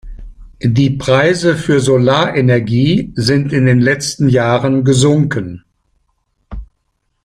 Die Preise für Solarenergie sind in den letzten Jahren gesunken.